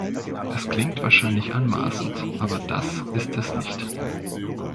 Es klingt wahrscheinlich anmaßend, aber das ist es nicht.